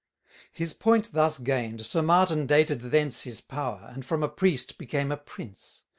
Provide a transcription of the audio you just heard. His point thus gain'd, Sir Martin dated thence His power, and from a priest became a prince.